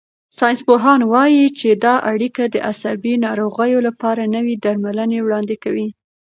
ساینسپوهان وايي چې دا اړیکه د عصبي ناروغیو لپاره نوي درملنې وړاندې کوي.